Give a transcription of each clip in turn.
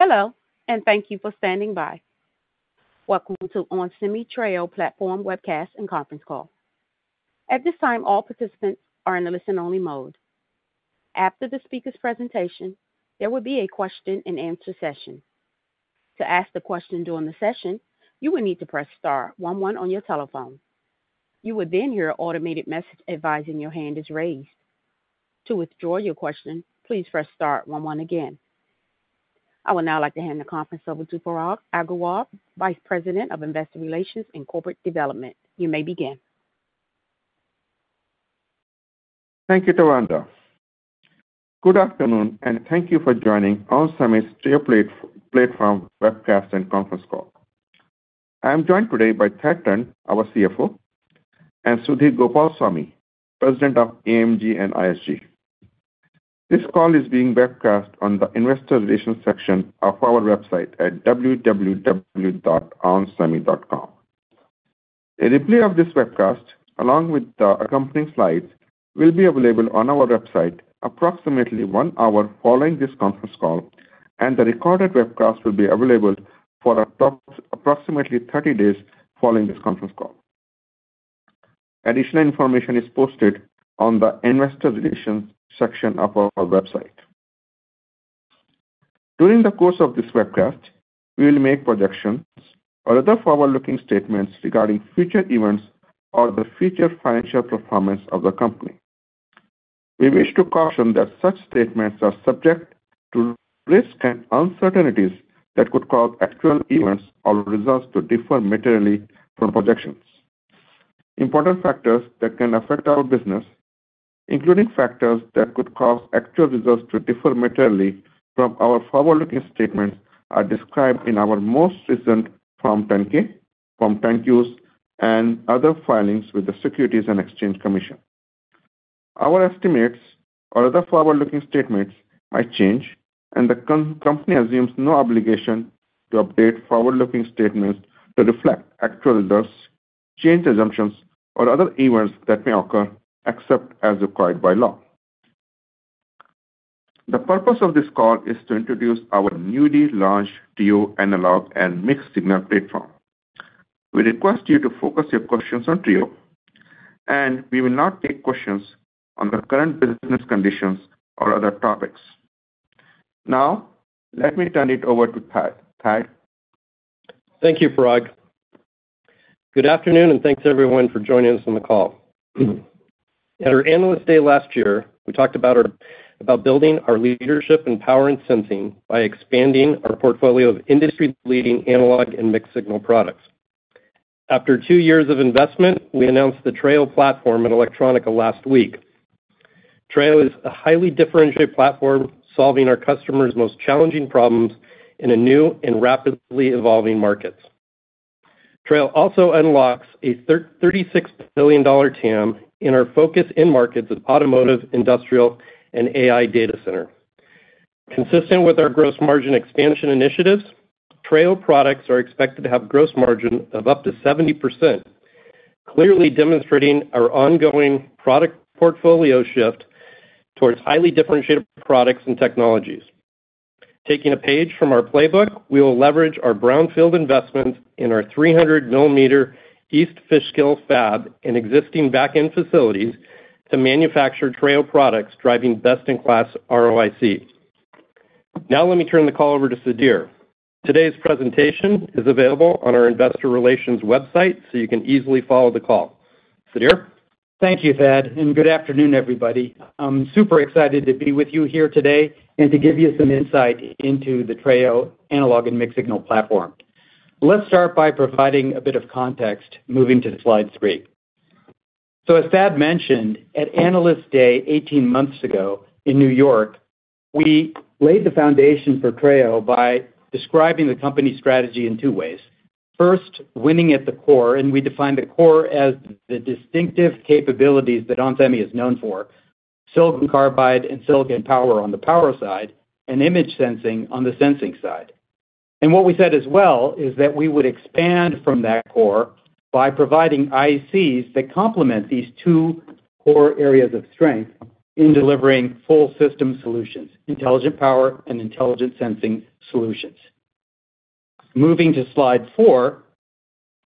Hello, and thank you for standing by. Welcome to ON Semiconductor Treo Platform webcast and conference call. At this time, all participants are in a listen-only mode. After the speaker's presentation, there will be a question-and-answer session. To ask a question during the session, you will need to press star 11 on your telephone. You will then hear an automated message advising your hand is raised. To withdraw your question, please press star 11 again. I would now like to hand the conference over to Parag Agarwal, Vice President of Investor Relations and Corporate Development. You may begin. Thank you, Tawanda. Good afternoon, and thank you for joining ON Semiconductor Treo Platform webcast and conference call. I am joined today by Thad Trent, our CFO, and Sudhir Gopalswamy, President of AMG and ISG. This call is being webcast on the investor relations section of our website at www.onsemi.com. A replay of this webcast, along with the accompanying slides, will be available on our website approximately one hour following this conference call, and the recorded webcast will be available for approximately 30 days following this conference call. Additional information is posted on the investor relations section of our website. During the course of this webcast, we will make projections or other forward-looking statements regarding future events or the future financial performance of the company. We wish to caution that such statements are subject to risk and uncertainties that could cause actual events or results to differ materially from projections. Important factors that can affect our business, including factors that could cause actual results to differ materially from our forward-looking statements, are described in our most recent Form 10-Qs and other filings with the Securities and Exchange Commission. Our estimates or other forward-looking statements might change, and the company assumes no obligation to update forward-looking statements to reflect actual results, change assumptions, or other events that may occur except as required by law. The purpose of this call is to introduce our newly launched Treo Analog and Mixed Signal Platform. We request you to focus your questions on Treo, and we will not take questions on the current business conditions or other topics. Now, let me turn it over to Thad. Thank you, Parag. Good afternoon, and thanks, everyone, for joining us on the call. At our annual Analyst Day last year, we talked about building our leadership in power and sensing by expanding our portfolio of industry-leading analog and mixed signal products. After two years of investment, we announced the Treo platform in Electronica last week. Treo is a highly differentiated platform solving our customers' most challenging problems in a new and rapidly evolving market. Treo also unlocks a $36 billion TAM in our focus in markets of automotive, industrial, and AI Data Center. Consistent with our gross margin expansion initiatives, Treo products are expected to have gross margin of up to 70%, clearly demonstrating our ongoing product portfolio shift towards highly differentiated products and technologies. Taking a page from our playbook, we will leverage our brownfield investments in our 300-millimeter East Fishkill fab and existing back-end facilities to manufacture Treo products, driving best-in-class ROIC. Now, let me turn the call over to Sudhir. Today's presentation is available on our investor relations website, so you can easily follow the call. Sudhir? Thank you, Thad, and good afternoon, everybody. I'm super excited to be with you here today and to give you some insight into the Treo Analog and Mixed Signal Platform. Let's start by providing a bit of context, moving to slide three. So, as Thad mentioned, at Analyst Day, 18 months ago in New York, we laid the foundation for Treo by describing the company strategy in two ways. First, winning at the core, and we define the core as the distinctive capabilities that ON Semiconductor is known for: silicon carbide and silicon power on the power side and image sensing on the sensing side. And what we said as well is that we would expand from that core by providing ICs that complement these two core areas of strength in delivering full system solutions: intelligent power and intelligent sensing solutions. Moving to slide four,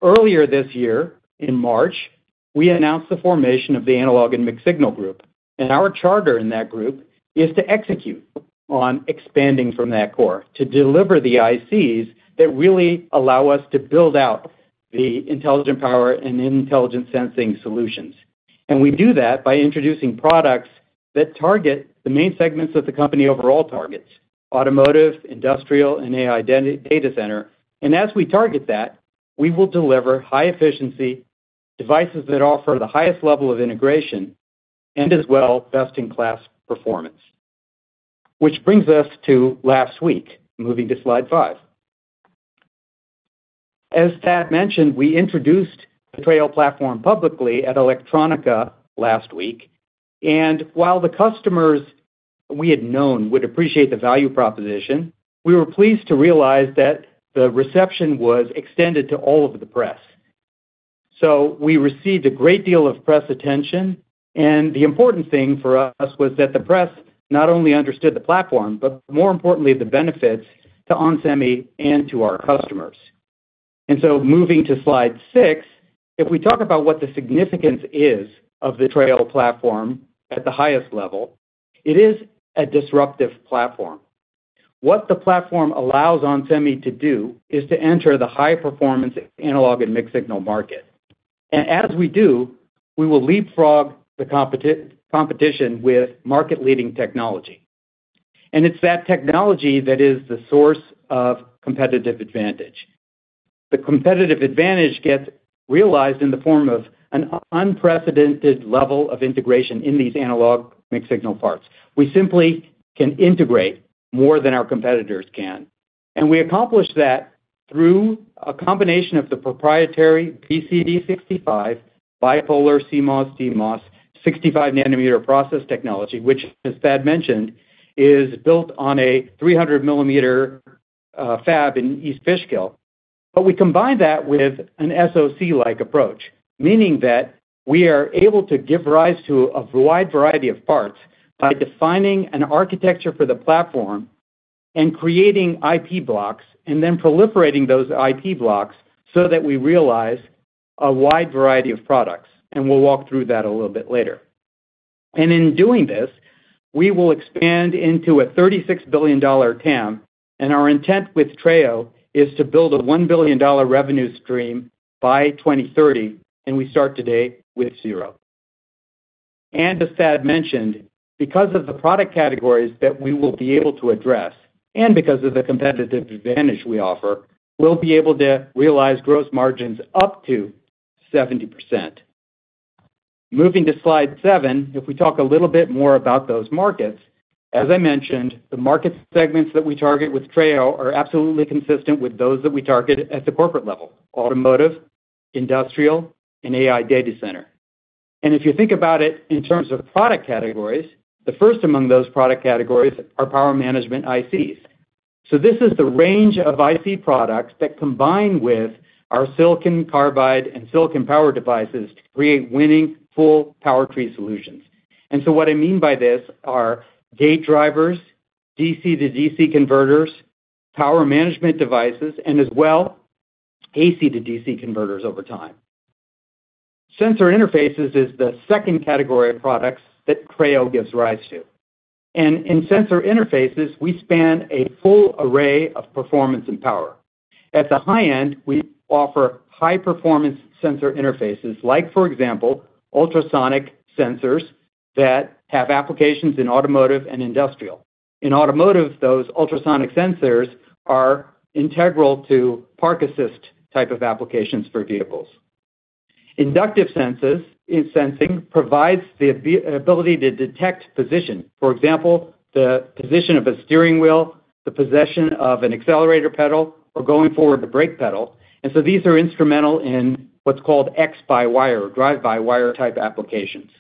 earlier this year in March, we announced the formation of the Analog and Mixed Signal Group, and our charter in that group is to execute on expanding from that core to deliver the ICs that really allow us to build out the intelligent power and intelligent sensing solutions, and we do that by introducing products that target the main segments that the company overall targets: automotive, industrial, and AI Data Center. And as we target that, we will deliver high-efficiency devices that offer the highest level of integration and as well best-in-class performance, which brings us to last week. Moving to slide five. As Thad mentioned, we introduced the Treo Platform publicly at Electronica last week, and while the customers we had known would appreciate the value proposition, we were pleased to realize that the reception was extended to all of the press. We received a great deal of press attention, and the important thing for us was that the press not only understood the platform, but more importantly, the benefits to ON Semiconductor and to our customers. Moving to slide six, if we talk about what the significance is of the Treo Platform at the highest level, it is a disruptive platform. What the platform allows ON Semiconductor to do is to enter the high-performance analog and mixed signal market. As we do, we will leapfrog the competition with market-leading technology. It's that technology that is the source of competitive advantage. The competitive advantage gets realized in the form of an unprecedented level of integration in these analog mixed signal parts. We simply can integrate more than our competitors can. And we accomplish that through a combination of the proprietary BCD65 bipolar CMOS/DMOS 65-nanometer process technology, which, as Thad mentioned, is built on a 300-millimeter fab in East Fishkill. But we combine that with a SoC-like approach, meaning that we are able to give rise to a wide variety of parts by defining an architecture for the platform and creating IP blocks and then proliferating those IP blocks so that we realize a wide variety of products. And we'll walk through that a little bit later. And in doing this, we will expand into a $36 billion TAM, and our intent with Treo is to build a $1 billion revenue stream by 2030, and we start today with zero. As Thad mentioned, because of the product categories that we will be able to address and because of the competitive advantage we offer, we'll be able to realize gross margins up to 70%. Moving to slide seven, if we talk a little bit more about those markets, as I mentioned, the market segments that we target with Treo are absolutely consistent with those that we target at the corporate level: automotive, industrial, and AI data center. If you think about it in terms of product categories, the first among those product categories are power management ICs. So this is the range of IC products that combine with our silicon carbide and silicon power devices to create winning full power tree solutions. What I mean by this are gate drivers, DC-to-DC converters, power management devices, and as well AC-to-DC converters over time. Sensor interfaces is the second category of products that Treo gives rise to, and in sensor interfaces, we span a full array of performance and power. At the high end, we offer high-performance sensor interfaces, like, for example, ultrasonic sensors that have applications in automotive and industrial. In automotive, those ultrasonic sensors are integral to park assist type of applications for vehicles. Inductive sensing provides the ability to detect position, for example, the position of a steering wheel, the position of an accelerator pedal, or going forward the brake pedal, and so these are instrumental in what's called X-by-wire or drive-by-wire type applications.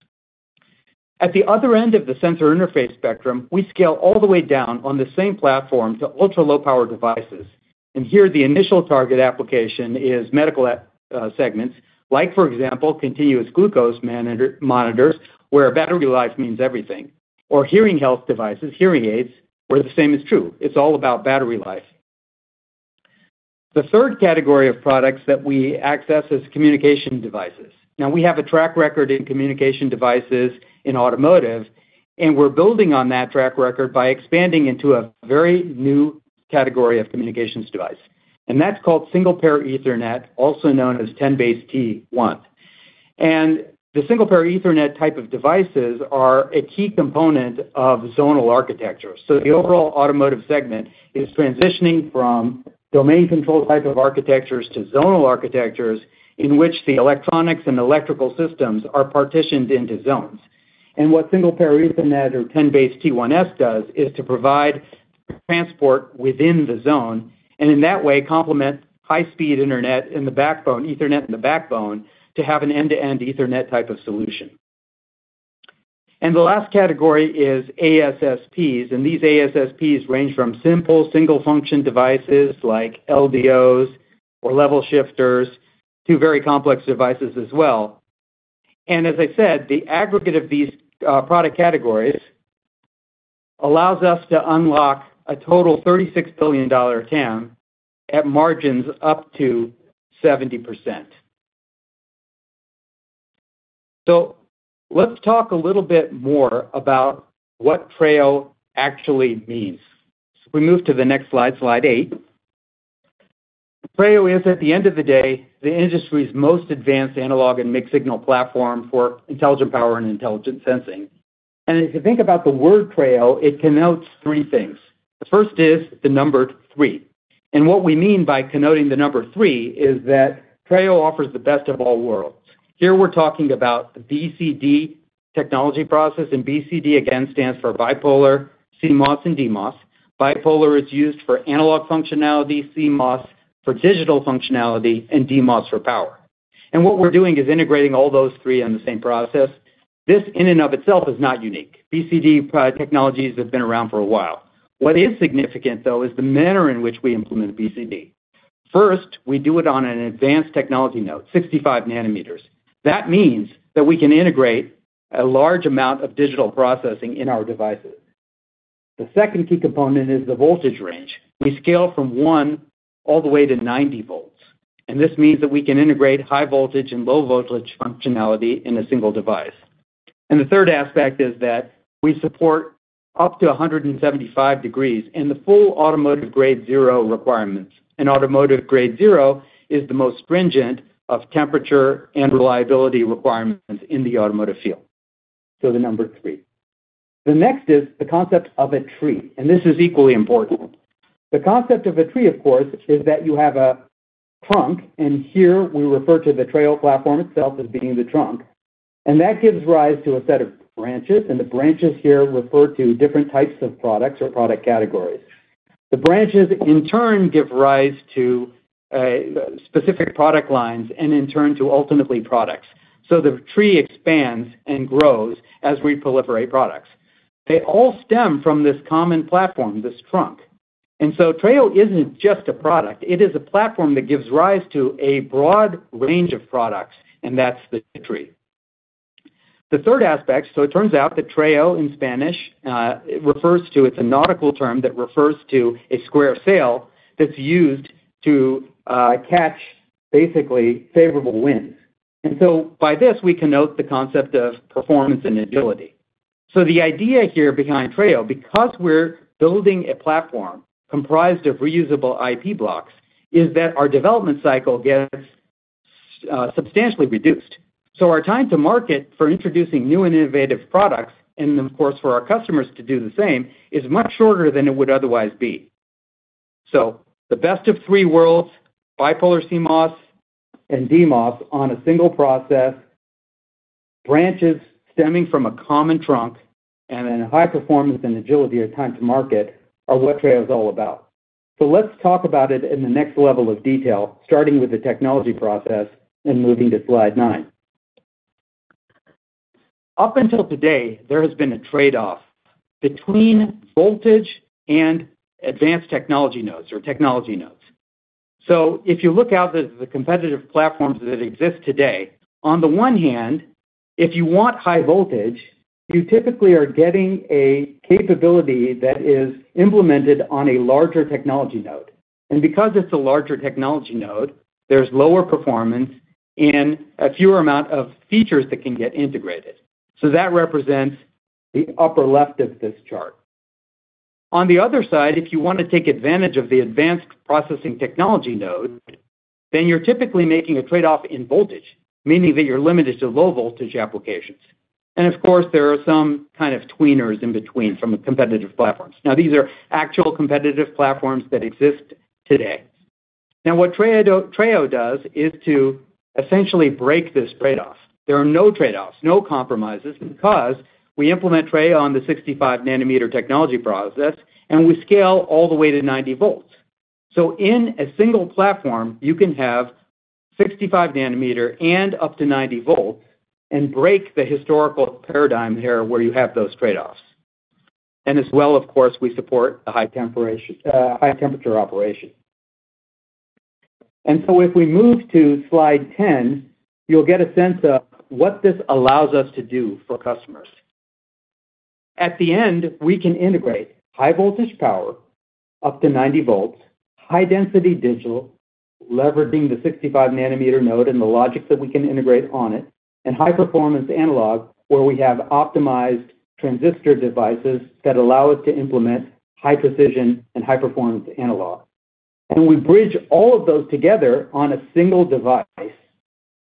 At the other end of the sensor interface spectrum, we scale all the way down on the same platform to ultra-low-power devices. Here, the initial target application is medical segments, like, for example, continuous glucose monitors, where battery life means everything, or hearing health devices, hearing aids, where the same is true. It's all about battery life. The third category of products that we access is communication devices. Now, we have a track record in communication devices in automotive, and we're building on that track record by expanding into a very new category of communications device. That's called Single-Pair Ethernet, also known as 10BASE-T1. The Single-Pair Ethernet type of devices are a key component of zonal architecture. The overall automotive segment is transitioning from domain-controlled type of architectures to zonal architectures in which the electronics and electrical systems are partitioned into zones. What Single-Pair Ethernet or 10BASE-T1S does is to provide transport within the zone and in that way complement high-speed internet in the backbone, Ethernet in the backbone, to have an end-to-end Ethernet type of solution. The last category is ASSPs. These ASSPs range from simple single-function devices like LDOs or level shifters to very complex devices as well. As I said, the aggregate of these product categories allows us to unlock a total $36 billion TAM at margins up to 70%. Let's talk a little bit more about what Treo actually means. We move to the next slide, slide eight. Treo is, at the end of the day, the industry's most advanced analog and mixed-signal platform for intelligent power and intelligent sensing. If you think about the word Treo, it connotes three things. The first is the number three. And what we mean by connoting the number three is that Treo offers the best of all worlds. Here we're talking about the BCD technology process, and BCD again stands for bipolar, CMOS, and DMOS. Bipolar is used for analog functionality, CMOS for digital functionality, and DMOS for power. And what we're doing is integrating all those three in the same process. This, in and of itself, is not unique. BCD technologies have been around for a while. What is significant, though, is the manner in which we implement BCD. First, we do it on an advanced technology node, 65 nanometers. That means that we can integrate a large amount of digital processing in our devices. The second key component is the voltage range. We scale from one all the way to 90 volts. This means that we can integrate high voltage and low voltage functionality in a single device. The third aspect is that we support up to 175 degrees in the full Automotive Grade 0 requirements. Automotive Grade 0 is the most stringent of temperature and reliability requirements in the automotive field. The number three. The next is the concept of a tree. This is equally important. The concept of a tree, of course, is that you have a trunk, and here we refer to the Treo platform itself as being the trunk. That gives rise to a set of branches, and the branches here refer to different types of products or product categories. The branches, in turn, give rise to specific product lines and, in turn, to ultimately products. The tree expands and grows as we proliferate products. They all stem from this common platform, this trunk. And so Treo isn't just a product. It is a platform that gives rise to a broad range of products, and that's the tree. The third aspect, so it turns out that Treo in Spanish refers to it. It's a nautical term that refers to a square sail that's used to catch basically favorable winds. And so by this, we can note the concept of performance and agility. So the idea here behind Treo, because we're building a platform comprised of reusable IP blocks, is that our development cycle gets substantially reduced. So our time to market for introducing new and innovative products and, of course, for our customers to do the same is much shorter than it would otherwise be. So the best of three worlds, Bipolar, CMOS, and DMOS on a single process, branches stemming from a common trunk, and then high performance and agility or time to market are what Treo is all about. So let's talk about it in the next level of detail, starting with the technology process and moving to slide nine. Up until today, there has been a trade-off between voltage and advanced technology nodes or technology nodes. So if you look at the competitive platforms that exist today, on the one hand, if you want high voltage, you typically are getting a capability that is implemented on a larger technology node. And because it's a larger technology node, there's lower performance and a fewer amount of features that can get integrated. So that represents the upper left of this chart. On the other side, if you want to take advantage of the advanced processing technology node, then you're typically making a trade-off in voltage, meaning that you're limited to low voltage applications, and of course, there are some kind of tweeners in between from a competitive platform. Now, these are actual competitive platforms that exist today. Now, what Treo does is to essentially break this trade-off. There are no trade-offs, no compromises, because we implement Treo on the 65-nanometer technology process, and we scale all the way to 90 volts, so in a single platform, you can have 65-nanometer and up to 90 volts and break the historical paradigm here where you have those trade-offs, and as well, of course, we support the high temperature operation, and so if we move to slide 10, you'll get a sense of what this allows us to do for customers. At the end, we can integrate high voltage power up to 90 volts, high-density digital, leveraging the 65-nanometer node and the logic that we can integrate on it, and high-performance analog where we have optimized transistor devices that allow us to implement high precision and high-performance analog. And we bridge all of those together on a single device,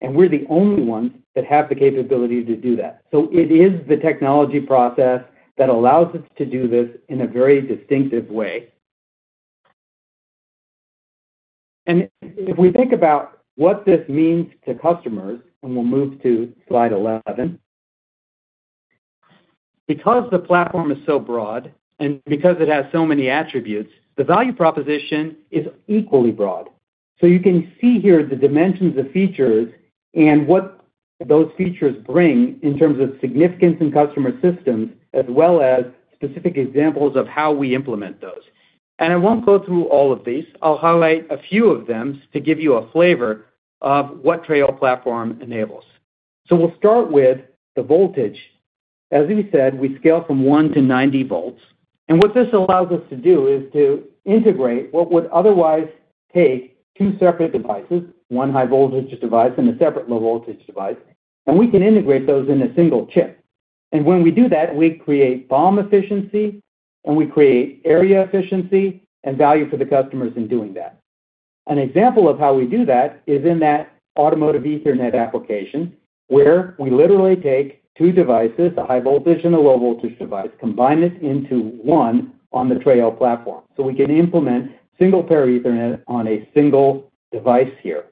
and we're the only ones that have the capability to do that. So it is the technology process that allows us to do this in a very distinctive way. And if we think about what this means to customers, and we'll move to slide 11, because the platform is so broad and because it has so many attributes, the value proposition is equally broad. You can see here the dimensions of features and what those features bring in terms of significance in customer systems, as well as specific examples of how we implement those. I won't go through all of these. I'll highlight a few of them to give you a flavor of what the Treo Platform enables. We'll start with the voltage. As we said, we scale from one to 90 volts. What this allows us to do is to integrate what would otherwise take two separate devices, one high-voltage device and a separate low-voltage device, and we can integrate those in a single chip. When we do that, we create BOM efficiency, and we create area efficiency and value for the customers in doing that. An example of how we do that is in that automotive Ethernet application where we literally take two devices, a high-voltage and a low-voltage device, combine it into one on the Treo Platform, so we can implement Single-Pair Ethernet on a single device here.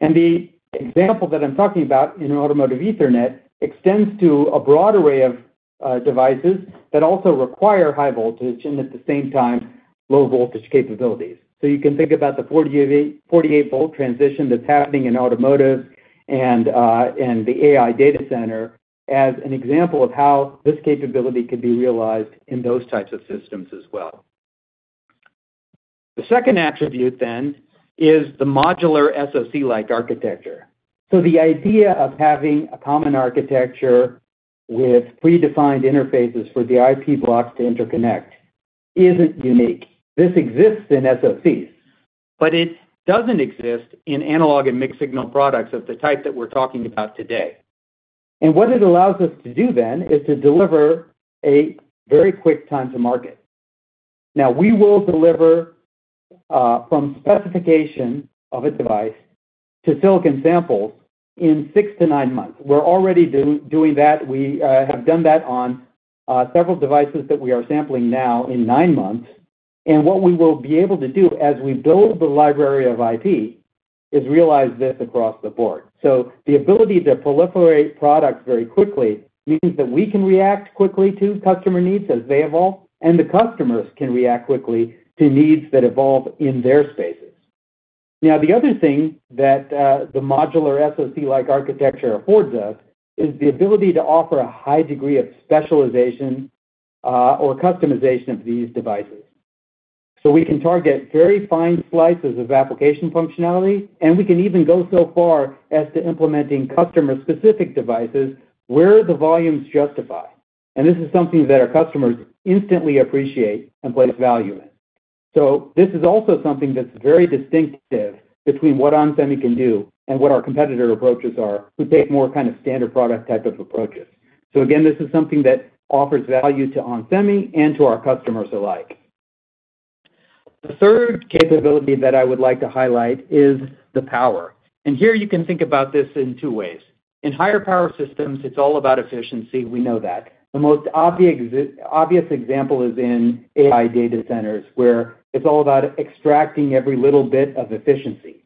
The example that I'm talking about in automotive Ethernet extends to a broad array of devices that also require high voltage and at the same time low voltage capabilities, so you can think about the 48-volt transition that's happening in automotive and the AI Data Center as an example of how this capability could be realized in those types of systems as well. The second attribute then is the modular SoC-like architecture, so the idea of having a common architecture with predefined interfaces for the IP blocks to interconnect isn't unique. This exists in SoCs, but it doesn't exist in analog and mixed signal products of the type that we're talking about today. And what it allows us to do then is to deliver a very quick time to market. Now, we will deliver from specification of a device to silicon samples in six to nine months. We're already doing that. We have done that on several devices that we are sampling now in nine months. And what we will be able to do as we build the library of IP is realize this across the board. So the ability to proliferate products very quickly means that we can react quickly to customer needs as they evolve, and the customers can react quickly to needs that evolve in their spaces. Now, the other thing that the modular SoC-like architecture affords us is the ability to offer a high degree of specialization or customization of these devices. So we can target very fine slices of application functionality, and we can even go so far as to implementing customer-specific devices where the volumes justify. And this is something that our customers instantly appreciate and place value in. So this is also something that's very distinctive between what ON Semiconductor can do and what our competitor approaches are who take more kind of standard product type of approaches. So again, this is something that offers value to ON Semiconductor and to our customers alike. The third capability that I would like to highlight is the power. And here you can think about this in two ways. In higher power systems, it's all about efficiency. We know that. The most obvious example is in AI data centers where it's all about extracting every little bit of efficiency,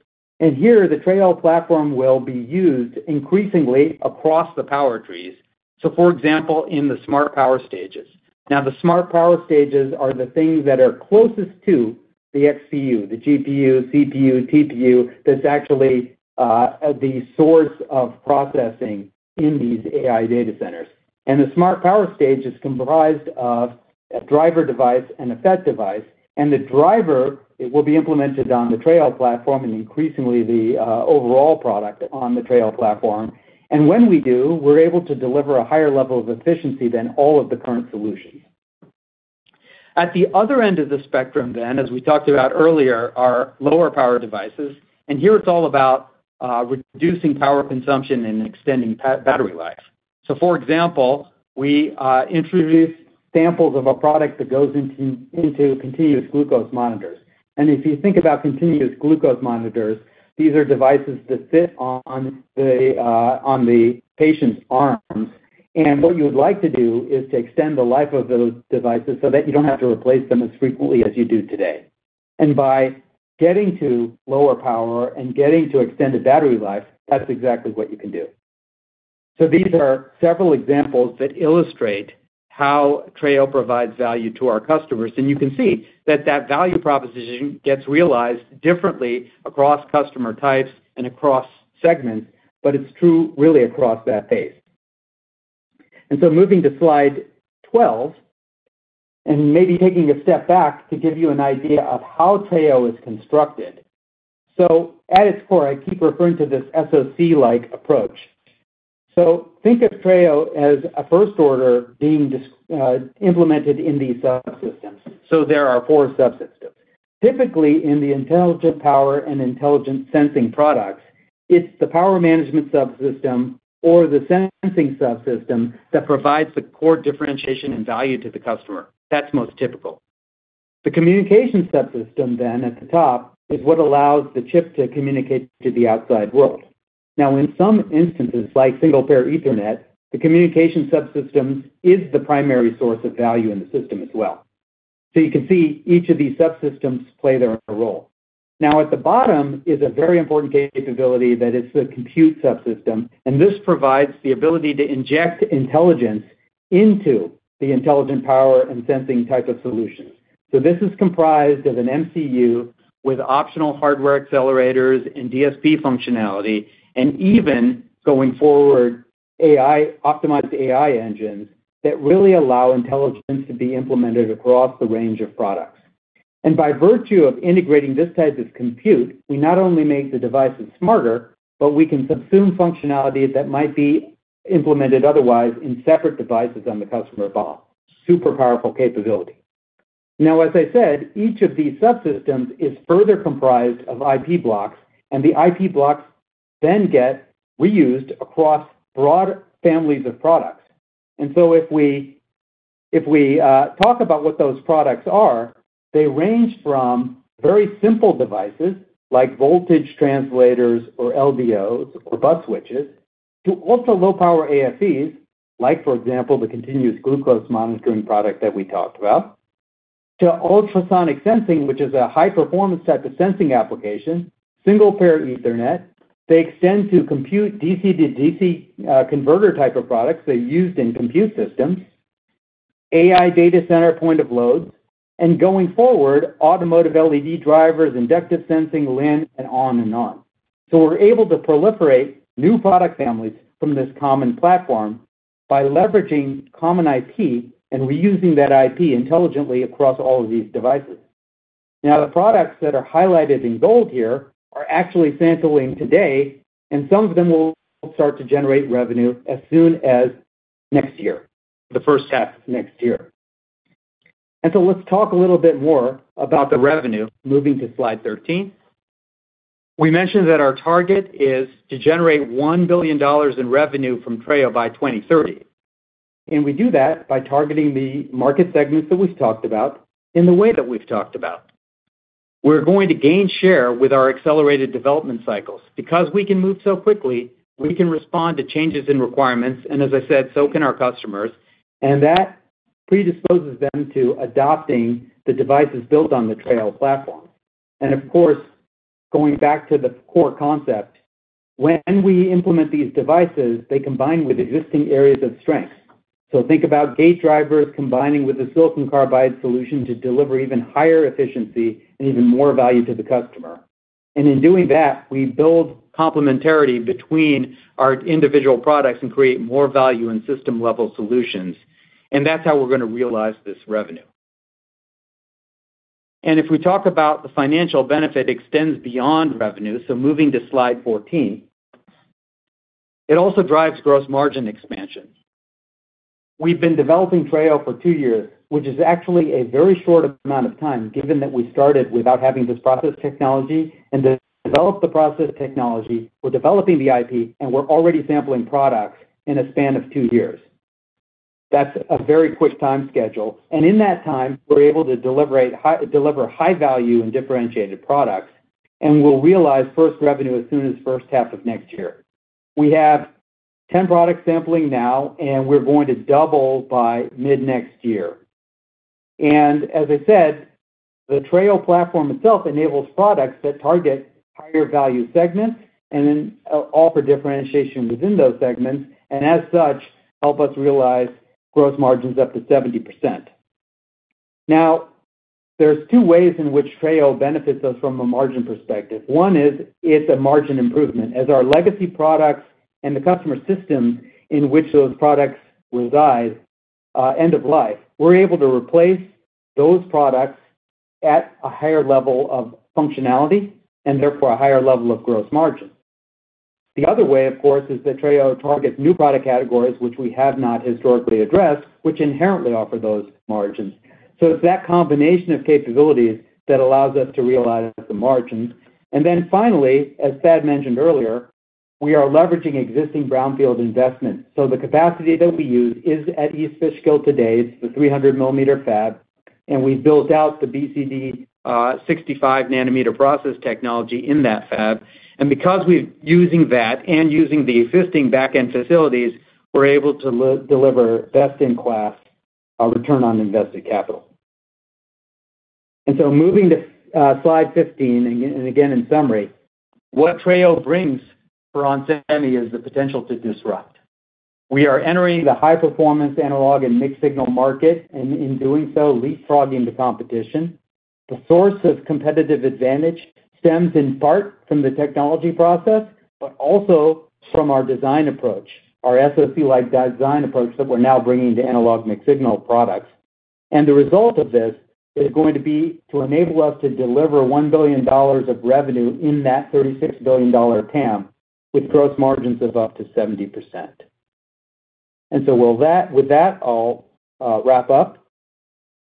and here, the Treo platform will be used increasingly across the power trees, so for example, in the Smart Power Stages. Now, the Smart Power Stages are the things that are closest to the XPU, the GPU, CPU, TPU that's actually the source of processing in these AI data centers, and the Smart Power Stage is comprised of a driver device and a FET device, and the driver will be implemented on the Treo platform and increasingly the overall product on the Treo platform, and when we do, we're able to deliver a higher level of efficiency than all of the current solutions. At the other end of the spectrum then, as we talked about earlier, are lower power devices. Here, it's all about reducing power consumption and extending battery life. For example, we introduce samples of a product that goes into continuous glucose monitors. If you think about continuous glucose monitors, these are devices that fit on the patient's arms. What you would like to do is to extend the life of those devices so that you don't have to replace them as frequently as you do today. By getting to lower power and getting to extended battery life, that's exactly what you can do. These are several examples that illustrate how Treo provides value to our customers. You can see that that value proposition gets realized differently across customer types and across segments, but it's true really across that base. And so moving to slide 12 and maybe taking a step back to give you an idea of how Treo is constructed. So at its core, I keep referring to this SoC-like approach. So think of Treo as a first order being implemented in these subsystems. So there are four subsystems. Typically, in the intelligent power and intelligent sensing products, it's the power management subsystem or the sensing subsystem that provides the core differentiation and value to the customer. That's most typical. The communication subsystem then at the top is what allows the chip to communicate to the outside world. Now, in some instances, like Single-Pair Ethernet, the communication subsystems is the primary source of value in the system as well. So you can see each of these subsystems play their role. Now, at the bottom is a very important capability that is the compute subsystem. And this provides the ability to inject intelligence into the intelligent power and sensing type of solutions. So this is comprised of an MCU with optional hardware accelerators and DSP functionality, and even going forward, optimized AI engines that really allow intelligence to be implemented across the range of products. And by virtue of integrating this type of compute, we not only make the devices smarter, but we can subsume functionality that might be implemented otherwise in separate devices on the customer BOM. Super powerful capability. Now, as I said, each of these subsystems is further comprised of IP blocks, and the IP blocks then get reused across broad families of products. And so if we talk about what those products are, they range from very simple devices like voltage translators or LDOs or bus switches to ultra low power AFEs, like, for example, the continuous glucose monitoring product that we talked about, to ultrasonic sensing, which is a high-performance type of sensing application, Single-Pair Ethernet. They extend to compute DC-to-DC converter type of products they used in compute systems, AI data center point-of-loads, and going forward, automotive LED drivers, inductive sensing, LIN, and on and on. So we're able to proliferate new product families from this common platform by leveraging common IP and reusing that IP intelligently across all of these devices. Now, the products that are highlighted in gold here are actually sampling today, and some of them will start to generate revenue as soon as next year, the first half of next year. And so, let's talk a little bit more about the revenue. Moving to slide 13, we mentioned that our target is to generate $1 billion in revenue from Treo by 2030. And we do that by targeting the market segments that we've talked about in the way that we've talked about. We're going to gain share with our accelerated development cycles. Because we can move so quickly, we can respond to changes in requirements, and as I said, so can our customers. And that predisposes them to adopting the devices built on the Treo platform. And of course, going back to the core concept, when we implement these devices, they combine with existing areas of strength. So think about gate drivers combining with a silicon carbide solution to deliver even higher efficiency and even more value to the customer. And in doing that, we build complementarity between our individual products and create more value in system-level solutions. And that's how we're going to realize this revenue. And if we talk about the financial benefit extends beyond revenue, so moving to slide 14, it also drives gross margin expansion. We've been developing Treo for two years, which is actually a very short amount of time, given that we started without having this process technology and developed the process technology. We're developing the IP, and we're already sampling products in a span of two years. That's a very quick time schedule. And in that time, we're able to deliver high value and differentiated products, and we'll realize first revenue as soon as first half of next year. We have 10 products sampling now, and we're going to double by mid-next year. As I said, the Treo Platform itself enables products that target higher value segments and then offer differentiation within those segments, and as such, help us realize gross margins up to 70%. Now, there's two ways in which Treo benefits us from a margin perspective. One is it's a margin improvement. As our legacy products and the customer systems in which those products reside end of life, we're able to replace those products at a higher level of functionality and therefore a higher level of gross margin. The other way, of course, is that Treo targets new product categories, which we have not historically addressed, which inherently offer those margins. So it's that combination of capabilities that allows us to realize the margins. And then finally, as Thad mentioned earlier, we are leveraging existing brownfield investments. So the capacity that we use is at East Fishkill today. It's the 300-millimeter fab, and we've built out the BCD 65-nanometer process technology in that fab. Because we're using that and using the existing backend facilities, we're able to deliver best-in-class return on invested capital. Moving to slide 15, and again, in summary, what Treo brings for ON Semiconductor is the potential to disrupt. We are entering the high-performance analog and mixed-signal market, and in doing so, leapfrogging the competition. The source of competitive advantage stems in part from the technology process, but also from our design approach, our SoC-like design approach that we're now bringing to analog mixed-signal products. The result of this is going to be to enable us to deliver $1 billion of revenue in that $36 billion TAM with gross margins of up to 70%. With that, I'll wrap up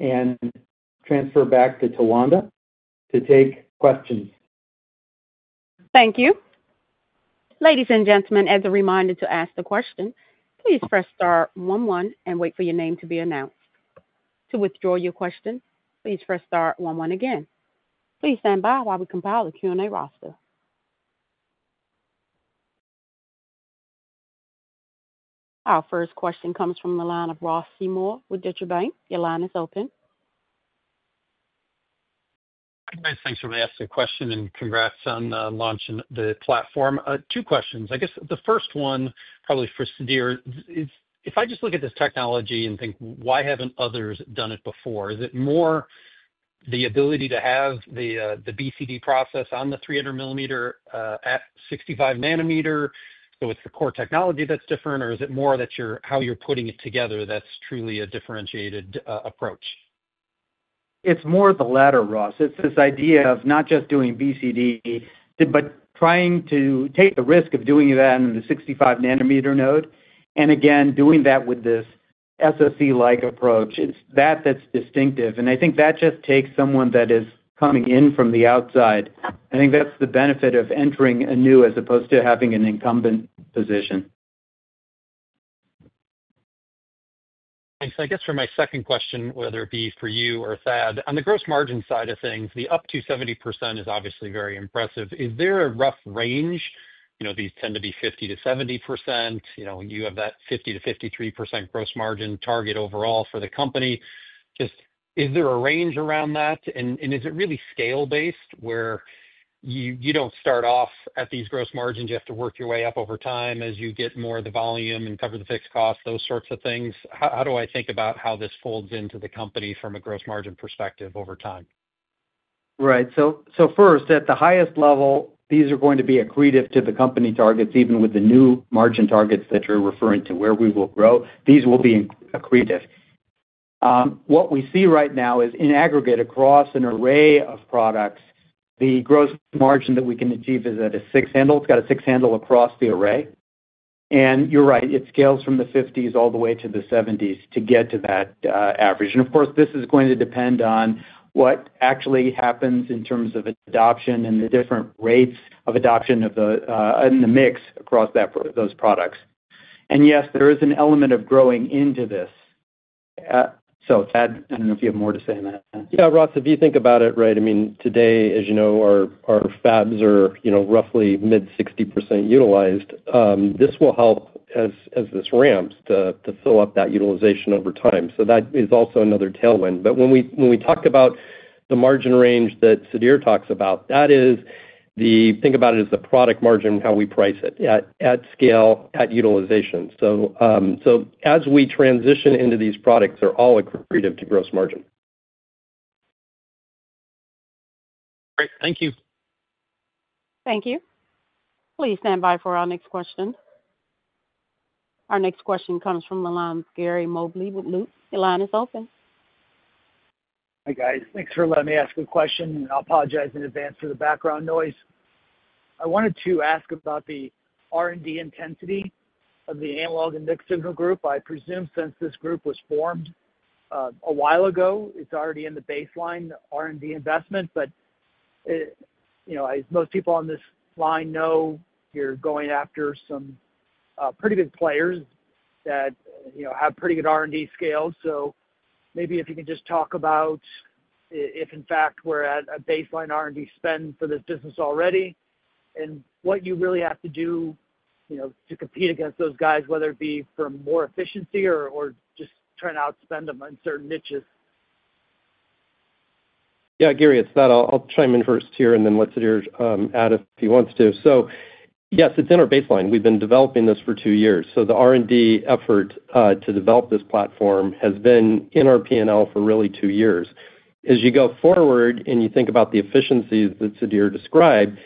and transfer back to Tawanda to take questions. Thank you. Ladies and gentlemen, as a reminder to ask the question, please press star 11 and wait for your name to be announced. To withdraw your question, please press star 11 again. Please stand by while we compile the Q&A roster. Our first question comes from the line of Ross Seymour with Deutsche Bank. Your line is open. Thanks for asking the question and congrats on launching the platform. Two questions. I guess the first one, probably for Sudhir, is if I just look at this technology and think, why haven't others done it before? Is it more the ability to have the BCD process on the 300-millimeter at 65-nanometer? So it's the core technology that's different, or is it more that you're how you're putting it together that's truly a differentiated approach? It's more of the latter, Ross. It's this idea of not just doing BCD, but trying to take the risk of doing that in the 65-nanometer node. And again, doing that with this SOC-like approach, it's that that's distinctive. And I think that just takes someone that is coming in from the outside. I think that's the benefit of entering anew as opposed to having an incumbent position. Thanks. I guess for my second question, whether it be for you or Thad, on the gross margin side of things, the up to 70% is obviously very impressive. Is there a rough range? These tend to be 50%-70%. You have that 50%-53% gross margin target overall for the company. Just is there a range around that? And is it really scale-based where you don't start off at these gross margins? You have to work your way up over time as you get more of the volume and cover the fixed costs, those sorts of things? How do I think about how this folds into the company from a gross margin perspective over time? Right. So first, at the highest level, these are going to be accretive to the company targets, even with the new margin targets that you're referring to, where we will grow. These will be accretive. What we see right now is, in aggregate, across an array of products, the gross margin that we can achieve is at a six handle. It's got a six handle across the array. And you're right, it scales from the 50s all the way to the 70s to get to that average. And of course, this is going to depend on what actually happens in terms of adoption and the different rates of adoption in the mix across those products. And yes, there is an element of growing into this. So Thad, I don't know if you have more to say on that. Yeah, Ross, if you think about it, right, I mean, today, as you know, our fabs are roughly mid-60% utilized. This will help, as this ramps, to fill up that utilization over time. So that is also another tailwind. But when we talk about the margin range that Sudhir talks about, that is, think about it as the product margin and how we price it at scale, at utilization. So as we transition into these products, they're all accretive to gross margin. Great. Thank you. Thank you. Please stand by for our next question. Our next question comes from the line of Gary Mobley with Wells Fargo. Your line is open. Hi, guys. Thanks for letting me ask a question. I apologize in advance for the background noise. I wanted to ask about the R&D intensity of the analog and mixed signal group. I presume since this group was formed a while ago, it's already in the baseline R&D investment. But as most people on this line know, you're going after some pretty good players that have pretty good R&D scale. So maybe if you can just talk about if, in fact, we're at a baseline R&D spend for this business already and what you really have to do to compete against those guys, whether it be for more efficiency or just trying to outspend them in certain niches. Yeah, Gary, it's Thad. I'll chime in first here, and then let Sudhir add if he wants to. So yes, it's in our baseline. We've been developing this for two years. So the R&D effort to develop this platform has been in our P&L for really two years. As you go forward and you think about the efficiencies that Sudhir described,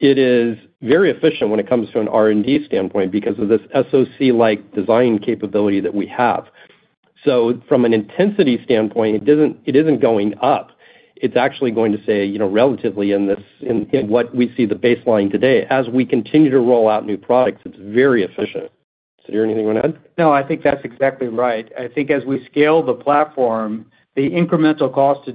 it is very efficient when it comes to an R&D standpoint because of this SoC-like design capability that we have. So from an intensity standpoint, it isn't going up. It's actually going to stay relatively in what we see the baseline today. As we continue to roll out new products, it's very efficient. Sudhir, anything you want to add? No, I think that's exactly right. I think as we scale the platform, the incremental cost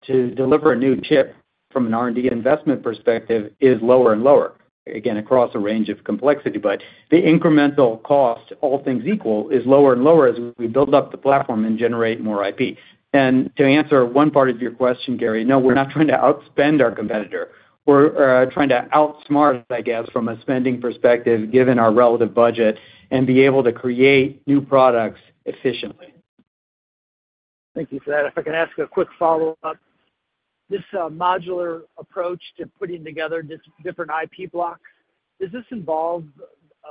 to deliver a new chip from an R&D investment perspective is lower and lower. Again, across a range of complexity, but the incremental cost, all things equal, is lower and lower as we build up the platform and generate more IP. And to answer one part of your question, Gary, no, we're not trying to outspend our competitor. We're trying to outsmart, I guess, from a spending perspective, given our relative budget, and be able to create new products efficiently. Thank you for that. If I can ask a quick follow-up, this modular approach to putting together different IP blocks, does this involve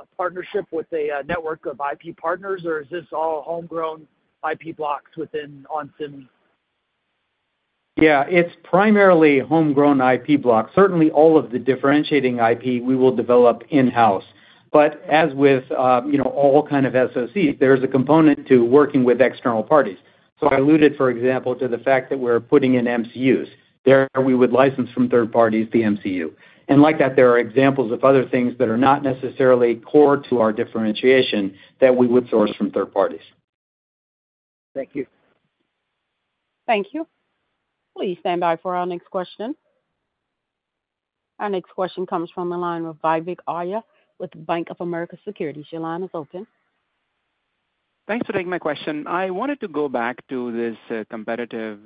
a partnership with a network of IP partners, or is this all homegrown IP blocks within ON Semiconductor? Yeah, it's primarily homegrown IP blocks. Certainly, all of the differentiating IP we will develop in-house. But as with all kinds of SoCs, there is a component to working with external parties. So I alluded, for example, to the fact that we're putting in MCUs. There, we would license from third parties the MCU. And like that, there are examples of other things that are not necessarily core to our differentiation that we would source from third parties. Thank you. Thank you. Please stand by for our next question. Our next question comes from the line of Vivek Arya with Bank of America Securities. Your line is open. Thanks for taking my question. I wanted to go back to this competitive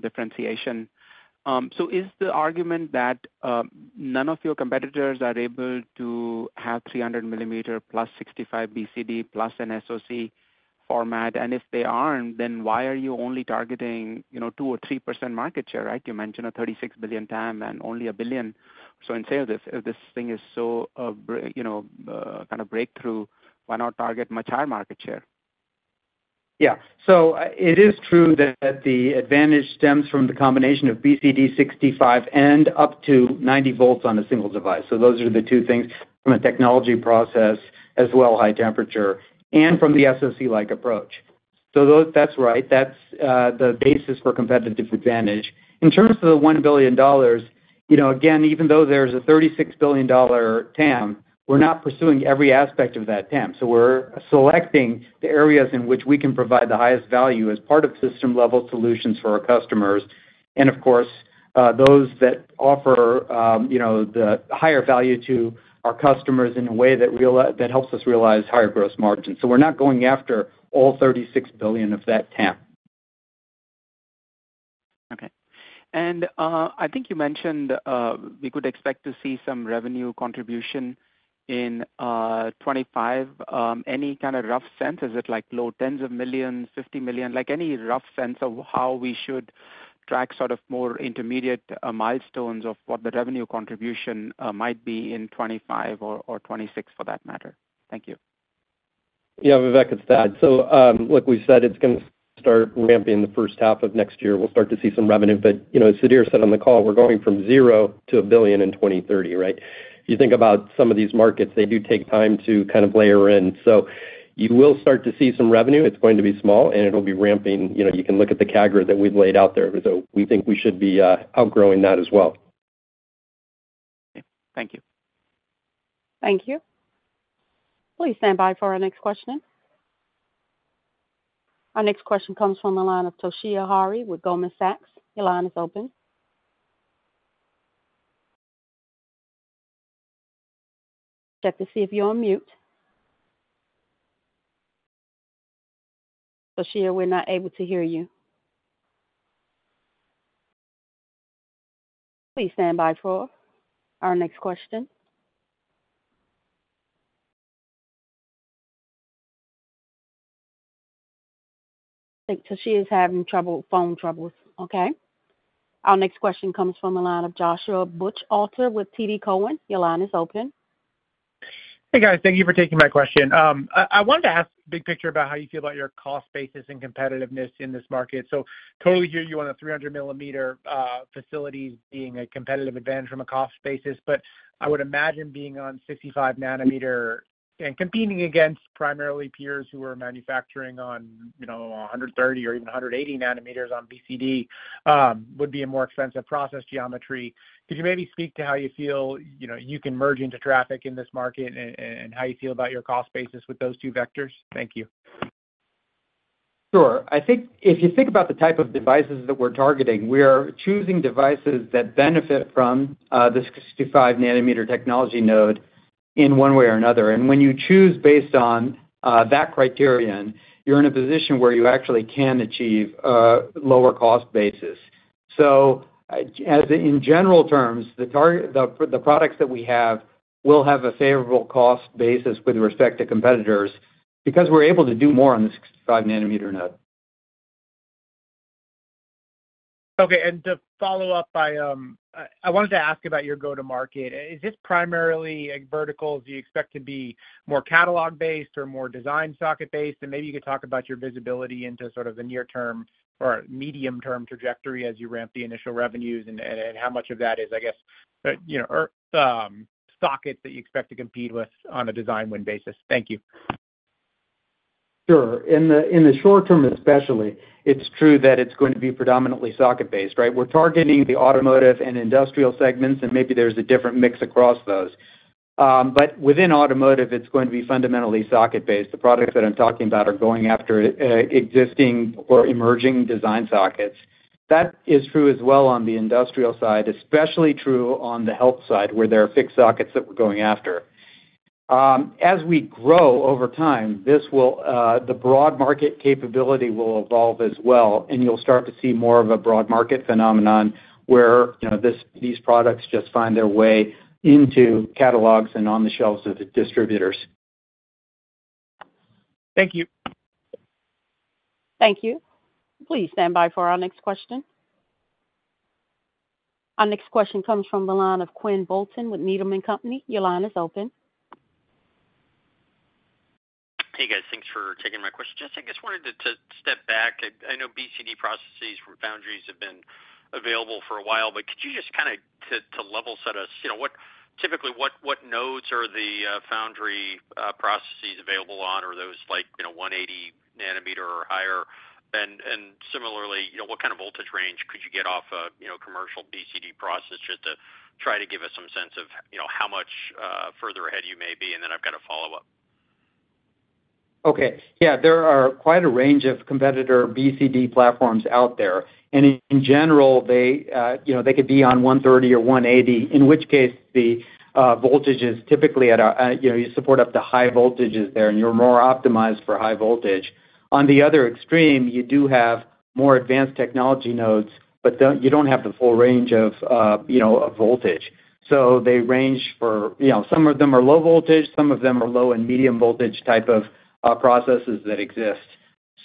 differentiation. So is the argument that none of your competitors are able to have 300-millimeter plus 65 BCD plus an SoC format? And if they aren't, then why are you only targeting 2% or 3% market share, right? You mentioned a $36 billion TAM and only a $1 billion. So in saying this, if this thing is so kind of breakthrough, why not target much higher market share? Yeah. So it is true that the advantage stems from the combination of BCD 65 and up to 90 volts on a single device. So those are the two things from a technology process as well, high temperature, and from the SOC-like approach. So that's right. That's the basis for competitive advantage. In terms of the $1 billion, again, even though there's a $36 billion TAM, we're not pursuing every aspect of that TAM. So we're selecting the areas in which we can provide the highest value as part of system-level solutions for our customers. And of course, those that offer the higher value to our customers in a way that helps us realize higher gross margins. So we're not going after all 36 billion of that TAM. Okay. I think you mentioned we could expect to see some revenue contribution in 2025. Any kind of rough sense? Is it like low tens of millions, $50 million? Any rough sense of how we should track sort of more intermediate milestones of what the revenue contribution might be in 2025 or 2026 for that matter? Thank you. Yeah, we're back at Thad. So like we said, it's going to start ramping the first half of next year. We'll start to see some revenue. But as Sudhir said on the call, we're going from zero to $1 billion in 2030, right? If you think about some of these markets, they do take time to kind of layer in. So you will start to see some revenue. It's going to be small, and it'll be ramping. You can look at the CAGR that we've laid out there. So we think we should be outgrowing that as well. Okay. Thank you. Thank you. Please stand by for our next question. Our next question comes from the line of Toshiya Hari with Goldman Sachs. Your line is open. Check to see if you're on mute. Toshiya, we're not able to hear you. Please stand by for our next question. Toshiya is having phone troubles. Okay. Our next question comes from the line of Joshua Buchalter with TD Cowen. Your line is open. Hey, guys. Thank you for taking my question. I wanted to ask big picture about how you feel about your cost basis and competitiveness in this market. I totally hear you on the 300-millimeter facilities being a competitive advantage from a cost basis, but I would imagine being on 65-nanometer and competing against primarily peers who are manufacturing on 130- or even 180-nanometer on BCD would be a more expensive process geometry. Could you maybe speak to how you feel you can merge into traffic in this market and how you feel about your cost basis with those two vectors? Thank you. Sure. I think if you think about the type of devices that we're targeting, we are choosing devices that benefit from this 65-nanometer technology node in one way or another. When you choose based on that criterion, you're in a position where you actually can achieve a lower cost basis. So as in general terms, the products that we have will have a favorable cost basis with respect to competitors because we're able to do more on the 65-nanometer node. Okay. And to follow up, I wanted to ask about your go-to-market. Is this primarily vertical? Do you expect to be more catalog-based or more design socket-based? And maybe you could talk about your visibility into sort of a near-term or medium-term trajectory as you ramp the initial revenues and how much of that is, I guess, sockets that you expect to compete with on a design win basis. Thank you. Sure. In the short term especially, it's true that it's going to be predominantly socket-based, right? We're targeting the automotive and industrial segments, and maybe there's a different mix across those. But within automotive, it's going to be fundamentally socket-based. The products that I'm talking about are going after existing or emerging design sockets. That is true as well on the industrial side, especially true on the health side where there are fixed sockets that we're going after. As we grow over time, the broad market capability will evolve as well, and you'll start to see more of a broad market phenomenon where these products just find their way into catalogs and on the shelves of distributors. Thank you. Thank you. Please stand by for our next question. Our next question comes from the line of Quinn Bolton with Needham & Company. Your line is open. Hey, guys. Thanks for taking my question. Just, I guess, wanted to step back. I know BCD processes for foundries have been available for a while, but could you just kind of to level set us, typically, what nodes are the foundry processes available on? Are those like 180-nanometer or higher? And similarly, what kind of voltage range could you get off a commercial BCD process just to try to give us some sense of how much further ahead you may be? And then I've got to follow up. Okay. Yeah. There are quite a range of competitor BCD platforms out there. And in general, they could be on 130 or 180, in which case the voltage is typically at a you support up to high voltages there, and you're more optimized for high voltage. On the other extreme, you do have more advanced technology nodes, but you don't have the full range of voltage. So they range for some of them are low voltage. Some of them are low and medium voltage type of processes that exist.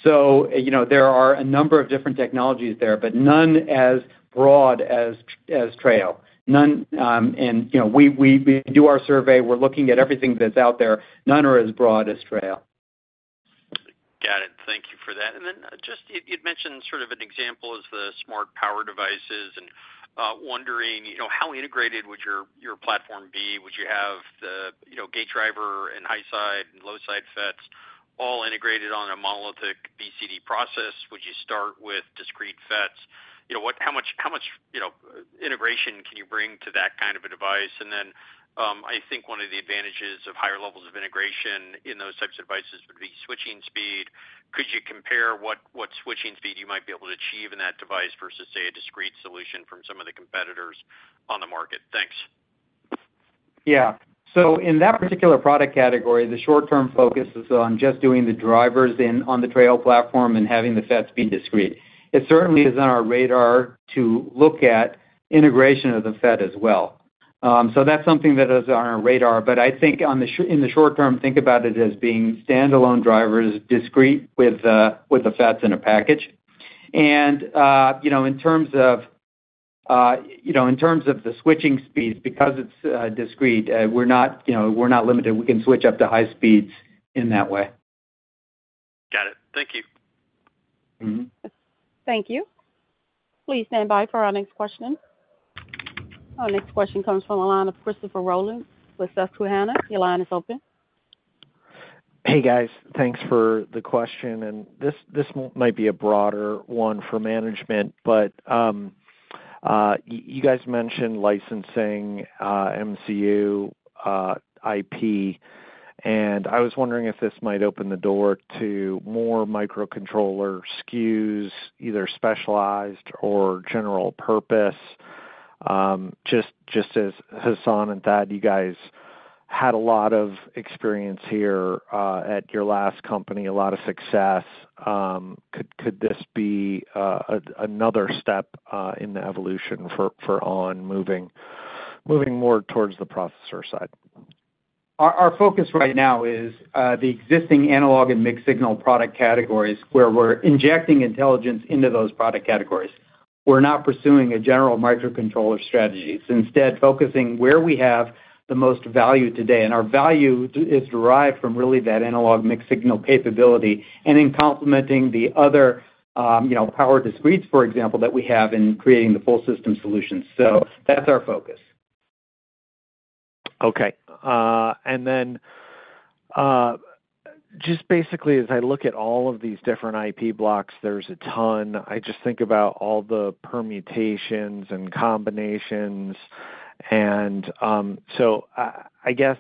So there are a number of different technologies there, but none as broad as Treo. And we do our survey. We're looking at everything that's out there. None are as broad as Treo. Got it. Thank you for that. And then just you'd mentioned sort of an example is the smart power devices and wondering how integrated would your platform be? Would you have the gate driver and high side and low side FETs all integrated on a monolithic BCD process? Would you start with discrete FETs? How much integration can you bring to that kind of a device? And then I think one of the advantages of higher levels of integration in those types of devices would be switching speed. Could you compare what switching speed you might be able to achieve in that device versus, say, a discrete solution from some of the competitors on the market? Thanks. Yeah. So in that particular product category, the short-term focus is on just doing the drivers on the Treo platform and having the FETs be discrete. It certainly is on our radar to look at integration of the FET as well. So that's something that is on our radar. But I think in the short term, think about it as being standalone drivers discrete with the FETs in a package. And in terms of the switching speeds, because it's discrete, we're not limited. We can switch up to high speeds in that way. Got it. Thank you. Thank you. Please stand by for our next question. Our next question comes from the line of Christopher Rolland with Susquehanna. Your line is open. Hey, guys. Thanks for the question. And this might be a broader one for management, but you guys mentioned licensing, MCU, IP. I was wondering if this might open the door to more microcontroller SKUs, either specialized or general purpose. Just as Hassan and Thad, you guys had a lot of experience here at your last company, a lot of success. Could this be another step in the evolution for ON moving more towards the processor side? Our focus right now is the existing analog and mixed signal product categories where we're injecting intelligence into those product categories. We're not pursuing a general microcontroller strategy. Instead, focusing where we have the most value today. And our value is derived from really that analog mixed signal capability and in complementing the other power discretes, for example, that we have in creating the full system solutions. So that's our focus. Okay. And then just basically, as I look at all of these different IP blocks, there's a ton. I just think about all the permutations and combinations, and so I guess,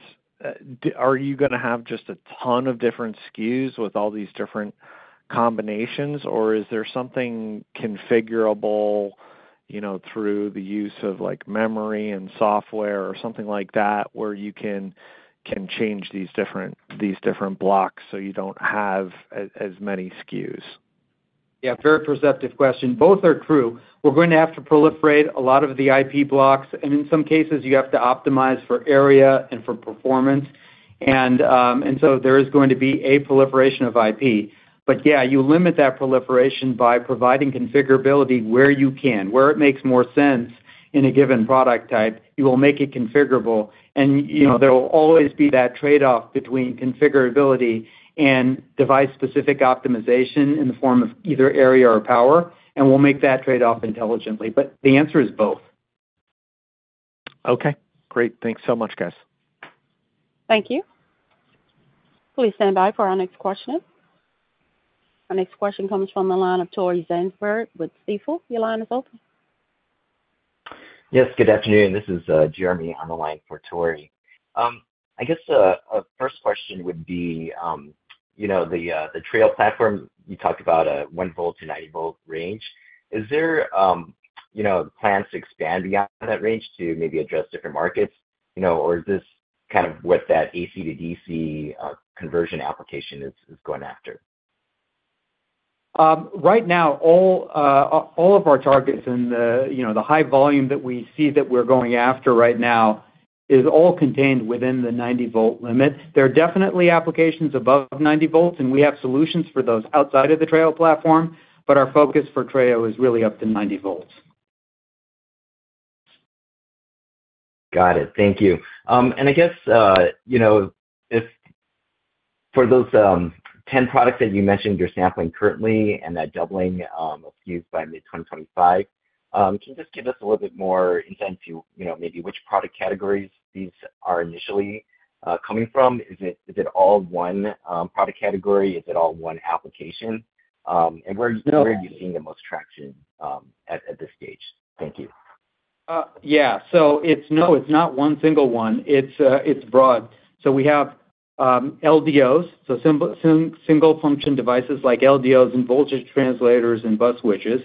are you going to have just a ton of different SKUs with all these different combinations, or is there something configurable through the use of memory and software or something like that where you can change these different blocks so you don't have as many SKUs? Yeah. Very perceptive question. Both are true. We're going to have to proliferate a lot of the IP blocks, and in some cases, you have to optimize for area and for performance, and so there is going to be a proliferation of IP, but yeah, you limit that proliferation by providing configurability where you can. Where it makes more sense in a given product type, you will make it configurable, and there will always be that trade-off between configurability and device-specific optimization in the form of either area or power. And we'll make that trade-off intelligently. But the answer is both. Okay. Great. Thanks so much, guys. Thank you. Please stand by for our next question. Our next question comes from the line of Tore Svanberg with Stifel. Your line is open. Yes. Good afternoon. This is Jeremy on the line for Tore. I guess a first question would be the Treo Platform. You talked about a one-volt to 90-volt range. Is there plans to expand beyond that range to maybe address different markets, or is this kind of what that AC-to-DC conversion application is going after? Right now, all of our targets and the high volume that we see that we're going after right now is all contained within the 90-volt limit. There are definitely applications above 90 volts, and we have solutions for those outside of the Treo platform, but our focus for Treo is really up to 90 volts. Got it. Thank you. And I guess for those 10 products that you mentioned you're sampling currently and that doubling of SKUs by mid-2025, can you just give us a little bit more insight into maybe which product categories these are initially coming from? Is it all one product category? Is it all one application? And where are you seeing the most traction at this stage? Thank you. Yeah. So no, it's not one single one. It's broad. So we have LDOs, so single-function devices like LDOs and voltage translators and bus switches.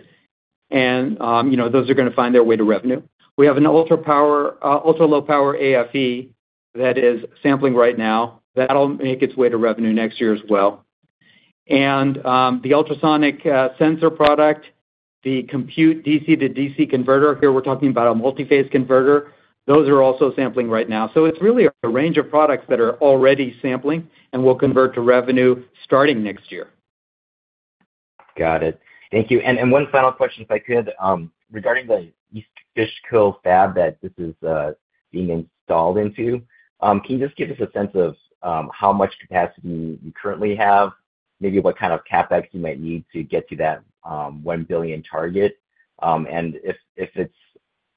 And those are going to find their way to revenue. We have an ultra-low-power AFE that is sampling right now. That'll make its way to revenue next year as well. And the ultrasonic sensor product, the compute DC-to-DC converter, here we're talking about a multi-phase converter, those are also sampling right now. So it's really a range of products that are already sampling and will convert to revenue starting next year. Got it. Thank you. And one final question, if I could, regarding the East Fishkill Fab that this is being installed into, can you just give us a sense of how much capacity you currently have, maybe what kind of CapEx you might need to get to that one billion target, and if it's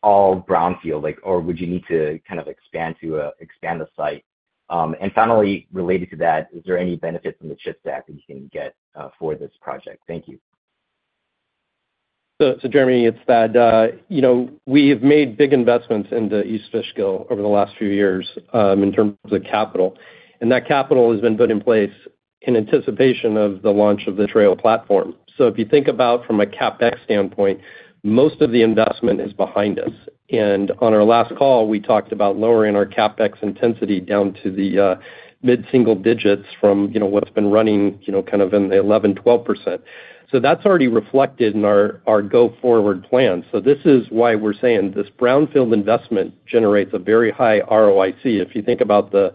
all brownfield, or would you need to kind of expand the site? And finally, related to that, is there any benefit from the CHIPS Act that you can get for this project? Thank you. So Jeremy, it's that we have made big investments into East Fishkill over the last few years in terms of capital. And that capital has been put in place in anticipation of the launch of the Treo platform. So if you think about from a CapEx standpoint, most of the investment is behind us. And on our last call, we talked about lowering our CapEx intensity down to the mid-single digits from what's been running kind of in the 11%-12%. So that's already reflected in our go-forward plan. So this is why we're saying this brownfield investment generates a very high ROIC. If you think about the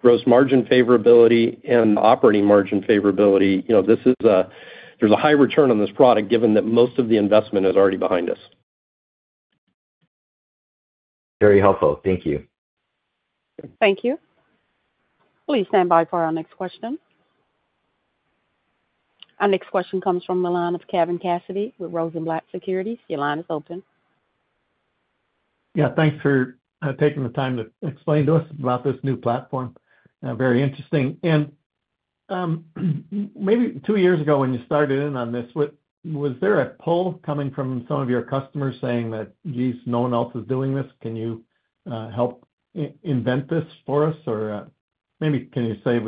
gross margin favorability and operating margin favorability, there's a high return on this product given that most of the investment is already behind us. Very helpful. Thank you. Thank you. Please stand by for our next question. Our next question comes from the line of Kevin Cassidy with Rosenblatt Securities. Your line is open. Yeah. Thanks for taking the time to explain to us about this new platform. Very interesting. And maybe two years ago when you started in on this, was there a pull coming from some of your customers saying that, "Geez, no one else is doing this. Can you help invent this for us?" Or maybe can you say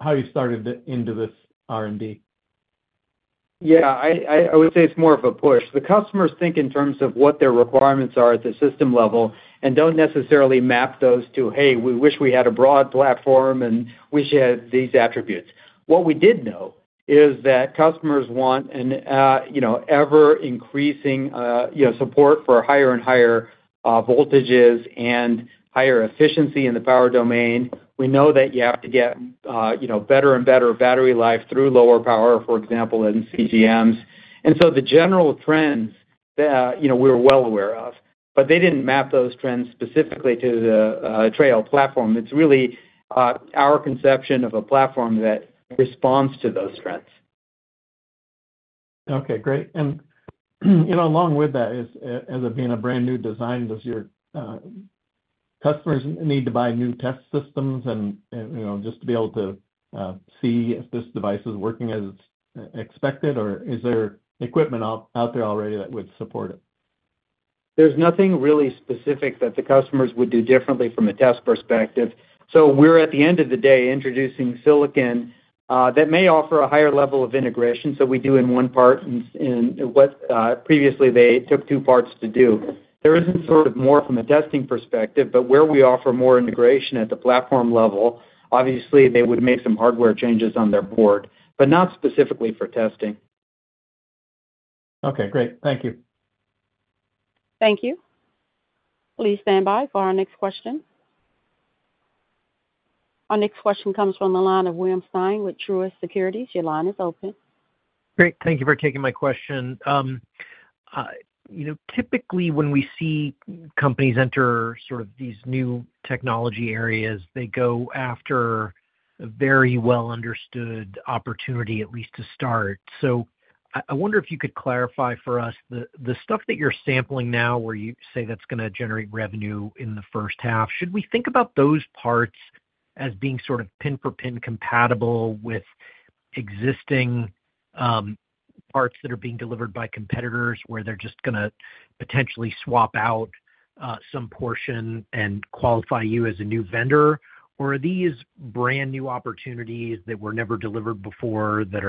how you started into this R&D? Yeah. I would say it's more of a push. The customers think in terms of what their requirements are at the system level and don't necessarily map those to, "Hey, we wish we had a broad platform and we should have these attributes." What we did know is that customers want an ever-increasing support for higher and higher voltages and higher efficiency in the power domain. We know that you have to get better and better battery life through lower power, for example, in CGMs. And so the general trends that we were well aware of, but they didn't map those trends specifically to the Treo platform. It's really our conception of a platform that responds to those trends. Okay. Great. And along with that, as it being a brand new design, does your customers need to buy new test systems just to be able to see if this device is working as expected, or is there equipment out there already that would support it? There's nothing really specific that the customers would do differently from a test perspective. So we're, at the end of the day, introducing silicon that may offer a higher level of integration than we do in one part, and previously, they took two parts to do. There isn't sort of more from a testing perspective, but where we offer more integration at the platform level, obviously, they would make some hardware changes on their board, but not specifically for testing. Okay. Great. Thank you. Thank you. Please stand by for our next question. Our next question comes from the line of William Stein with Truist Securities. Your line is open. Great. Thank you for taking my question. Typically, when we see companies enter sort of these new technology areas, they go after a very well-understood opportunity, at least to start. So I wonder if you could clarify for us the stuff that you're sampling now where you say that's going to generate revenue in the first half. Should we think about those parts as being sort of pin-for-pin compatible with existing parts that are being delivered by competitors where they're just going to potentially swap out some portion and qualify you as a new vendor? Or are these brand new opportunities that were never delivered before that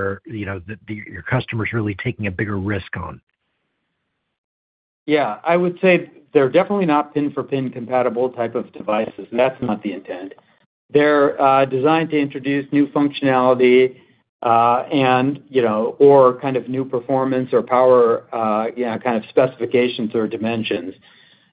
your customer's really taking a bigger risk on? Yeah. I would say they're definitely not pin-for-pin compatible type of devices. That's not the intent. They're designed to introduce new functionality or kind of new performance or power kind of specifications or dimensions.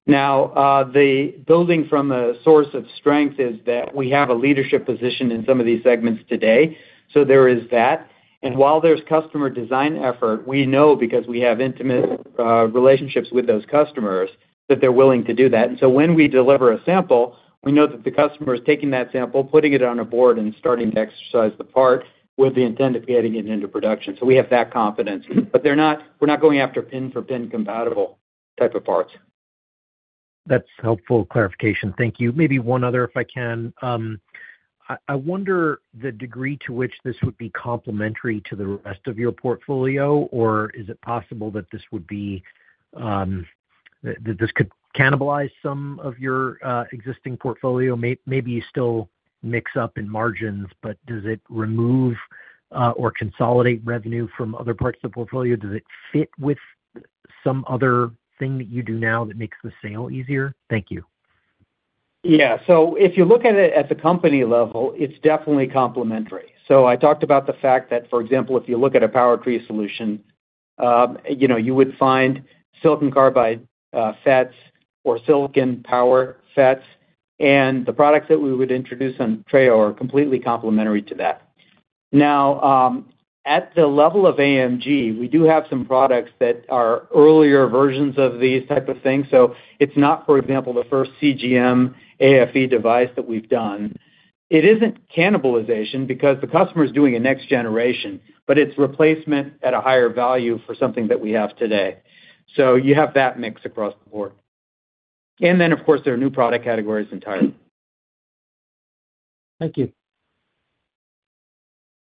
Now, the building from a source of strength is that we have a leadership position in some of these segments today. So there is that, and while there's customer design effort, we know because we have intimate relationships with those customers that they're willing to do that. And so when we deliver a sample, we know that the customer is taking that sample, putting it on a board, and starting to exercise the part with the intent of getting it into production. So we have that confidence. But we're not going after pin-for-pin compatible type of parts. That's helpful clarification. Thank you. Maybe one other, if I can. I wonder the degree to which this would be complementary to the rest of your portfolio, or is it possible that this could cannibalize some of your existing portfolio? Maybe you still make up in margins, but does it remove or consolidate revenue from other parts of the portfolio? Does it fit with some other thing that you do now that makes the sale easier? Thank you. Yeah. So if you look at it at the company level, it's definitely complementary. So I talked about the fact that, for example, if you look at a power tree solution, you would find silicon carbide FETs or silicon power FETs. And the products that we would introduce on Treo are completely complementary to that. Now, at the level of AMG, we do have some products that are earlier versions of these type of things. So it's not, for example, the first CGM AFE device that we've done. It isn't cannibalization because the customer is doing a next generation, but it's replacement at a higher value for something that we have today. So you have that mix across the board. And then, of course, there are new product categories entirely. Thank you.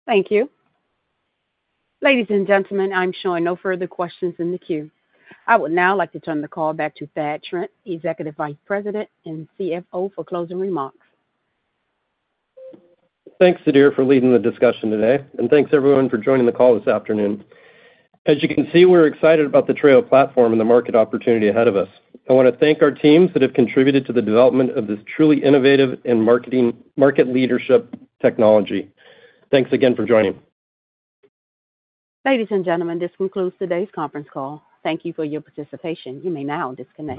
Thank you. Ladies and gentlemen, I'm sure no further questions in the queue. I would now like to turn the call back to Thad Trent, Executive Vice President and CFO, for closing remarks. Thanks, Sudhir, for leading the discussion today. And thanks, everyone, for joining the call this afternoon. As you can see, we're excited about the Treo platform and the market opportunity ahead of us. I want to thank our teams that have contributed to the development of this truly innovative and market leadership technology. Thanks again for joining. Ladies and gentlemen, this concludes today's conference call. Thank you for your participation. You may now disconnect.